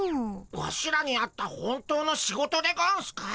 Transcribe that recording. ワシらにあった本当の仕事でゴンスか？